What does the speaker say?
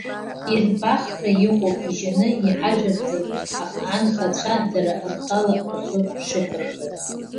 Ирбахра иҟоуп ижьаны иҳажәырҵаз анхацәа дара рхала рхы шықәырхыз.